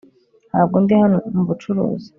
Ntabwo ndi hano mubucuruzi